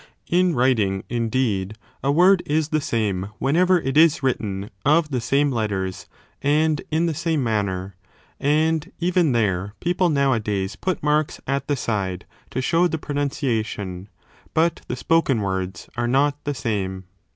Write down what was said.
(In writing, indeed, a word is the same when ever it is written of the same letters and in the same manner 5 and even there people nowadays put marks at the side to show the pronunciation but the spoken words are not the same.)